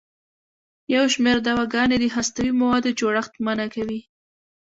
یو شمېر دواګانې د هستوي موادو جوړښت منع کوي.